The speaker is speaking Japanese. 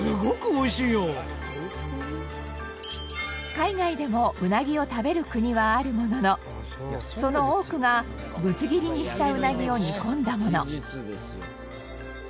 海外でもうなぎを食べる国はあるもののその多くがぶつ切りにしたうなぎを煮込んだもの。